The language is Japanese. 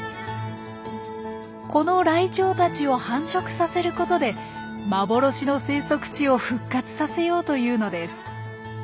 このライチョウたちを繁殖させることで幻の生息地を復活させようというのです。